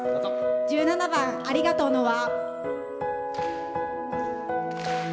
１７番「ありがとうの輪」。